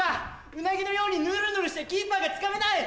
ウナギのようにぬるぬるしてキーパーがつかめない！